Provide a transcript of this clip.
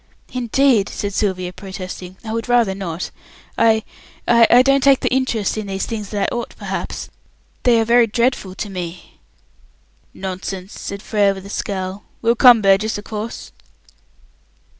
"Indeed," said Sylvia, protesting, "I would rather not. I I don't take the interest in these things that I ought, perhaps. They are very dreadful to me." "Nonsense!" said Frere, with a scowl. "We'll come, Burgess, of course."